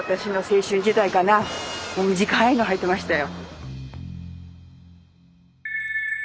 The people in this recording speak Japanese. もう短いのはいてましたよ。